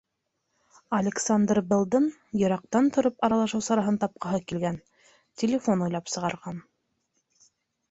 Александр Беллдың йыраҡтан тороп аралашыу сараһын тапҡыһы килгән - телефон уйлап сығарған.